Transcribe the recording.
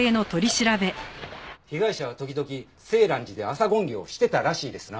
被害者は時々静嵐寺で朝勤行をしてたらしいですな。